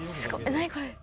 何これ。